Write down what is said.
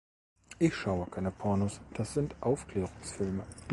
Ich schaue keine Pornos, das sind Aufklärungsfilme!